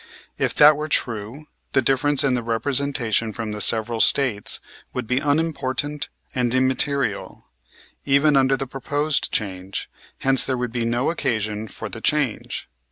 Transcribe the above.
If that were true the difference in the representation from the several States would be unimportant and immaterial, even under the proposed change, hence there would be no occasion for the change.